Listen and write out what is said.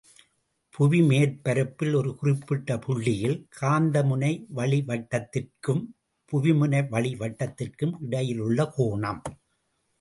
புவிமேற்பரப்பில் ஒரு குறிப்பிட்ட புள்ளியில் காந்த முனை வழிவட்டத்திற்கும் புவிமுனை வழிவட்டத்திற்கும் இடையிலுள்ள கோணம்.